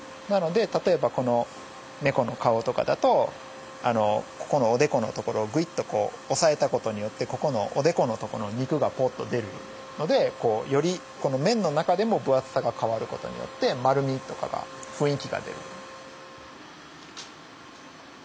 なので例えばこの猫の顔とかだとここのおでこの所をグイッと押さえた事によってここのおでこのとこの肉がポッと出るのでよりこの面の中でも分厚さが変わる事によって丸みとかが雰囲気が出る。